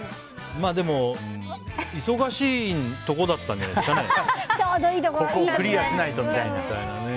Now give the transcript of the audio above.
でも、忙しいとこだったんじゃないですかね。